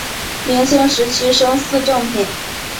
明清时升正四品。